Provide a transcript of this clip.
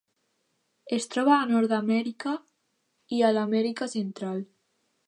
Es troba a Nord-amèrica i a l'Amèrica Central.